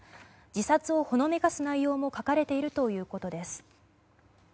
自殺をほのめかす内容も書かれているということです。